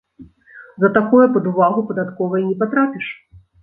За такое пад увагу падатковай не патрапіш.